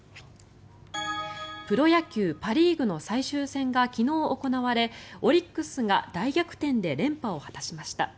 プロ野球パ・リーグの最終戦が昨日、行われオリックスが大逆転で連覇を果たしました。